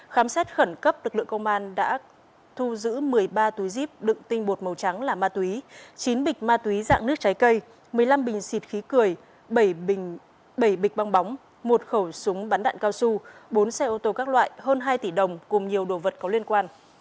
khám xét khẩn cấp lực lượng công an đã thu giữ một mươi ba túi zip đựng tinh bột màu trắng là ma túy chín bịch ma túy dạng nước trái cây một mươi năm bình xịt khí cười bảy bịch bong bóng một khẩu súng bắn đạn cao su bốn xe ô tô các loại hơn hai tỷ đồng cùng nhiều đồ vật có liên quan